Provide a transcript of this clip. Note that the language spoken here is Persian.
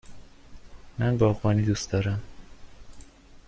من باغبانی دوست دارم.